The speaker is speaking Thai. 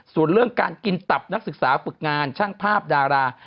ส่วนเรื่องการกินตับนักศึกษาฝึกงานช่างภาพดารา